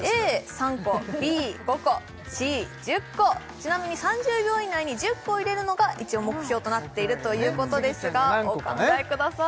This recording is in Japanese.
ちなみに３０秒以内に１０個入れるのが一応目標となっているということですがお考えください